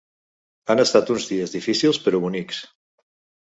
Han estat uns dies difícils, però bonics.